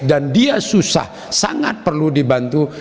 dan dia susah sangat perlu dibantu